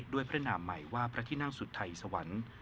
ด้วยเพื่อนนามใหม่ว่าพระที่นั่งสุดไทยสวรรค์